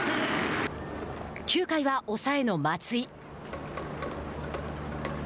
９回は抑えの松井。